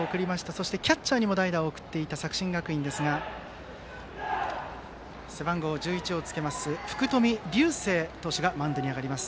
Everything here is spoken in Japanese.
そしてキャッチャーにも代打を送っていた作新学院ですが背番号１１の福冨竜世投手がマウンドに上がります。